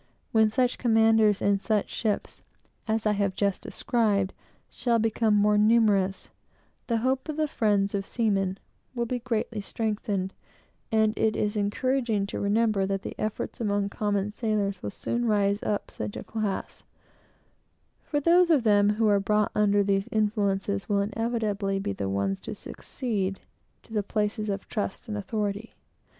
When such commanders and such ships, as I have just described, shall become more numerous, the hope of the friends of seamen will be greatly strengthened; and it is encouraging to remember that the efforts among common sailors will soon raise up such a class; for those of them who are brought under these influences will inevitably be the ones to succeed to the places of trust and authority.